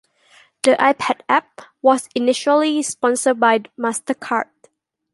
The iPad app was initially sponsored by MasterCard.